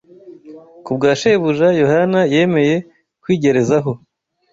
Kubwa Shebuja, Yohana yemeye kwigerezaho